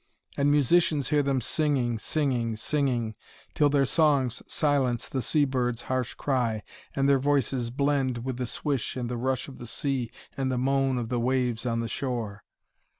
And musicians hear them singing, singing, singing, till their songs silence the sea birds harsh cry, and their voices blend with the swish and the rush of the sea and the moan of the waves on the shore.